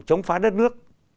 chống phá đất nước